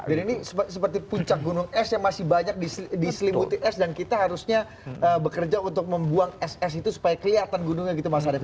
jadi ini seperti puncak gunung es yang masih banyak diselimuti es dan kita harusnya bekerja untuk membuang es es itu supaya kelihatan gunungnya gitu mas arief